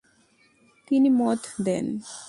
তিনি মত দেন।